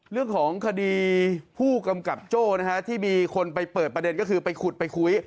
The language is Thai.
เรื่องของคดีผู้กำกับโจ้นะฮะที่มีคนไปเปิดประเด็นก็คือไปขุดไปคุย